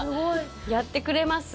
やってくれます。